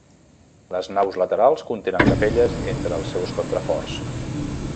Les naus laterals contenen capelles entre els seus contraforts.